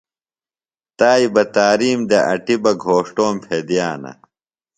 تائی بہ تارِیم دےۡ اٹیۡ بہ گھوݜٹوم پھیدِیانہ۔